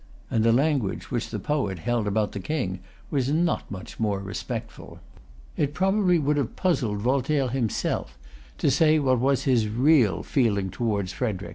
And the language which the poet held about the King was not much more respectful. It would probably have puzzled Voltaire himself to say what was his real feeling towards Frederic.